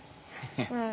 うん。